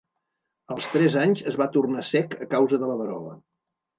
Als tres anys es va tornar cec a causa de la verola.